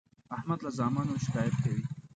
احمد له زامنو شکایت کوي.